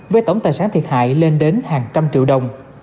với tổng tài sản thiệt hại lên đến hàng trăm triệu đồng